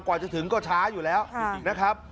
กว่าจะถึงก็ช้าอยู่แล้วนะครับ